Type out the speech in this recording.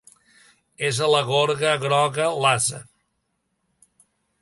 És a la gorga groga l'ase.